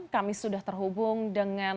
kami sudah terhubung dengan